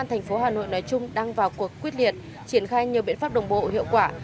hà nội nói chung đang vào cuộc quyết liệt triển khai nhiều biện pháp đồng bộ hiệu quả